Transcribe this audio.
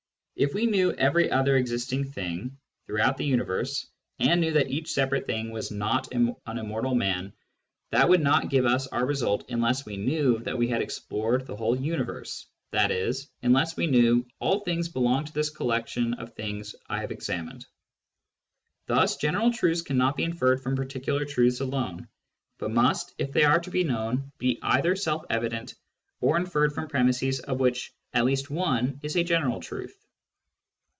If we knew every other existing thing through out the universe, and knew that each separate thing was not an immortal man, that would not give us our result unless we knew that we had explored the whole universe, i.e. unless we knew " all things belong to this collection of things I have examined." Thus general truths cannot be inferred from particular truths alone, but must, if they are to be known, be either ^elf evidentjj or inferred from premisses of which at least one is a general truth.